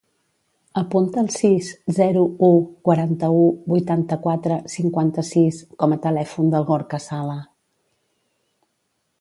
Apunta el sis, zero, u, quaranta-u, vuitanta-quatre, cinquanta-sis com a telèfon del Gorka Sala.